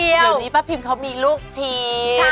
เดี๋ยวนี้ป้าพิมเขามีลูกที